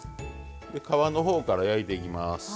皮の方から焼いていきます。